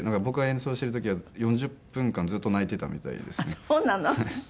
僕が演奏してる時は４０分間ずっと泣いてたみたいですね。